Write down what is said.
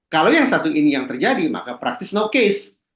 kalau yang satu ini yang terjadi maka praktis know case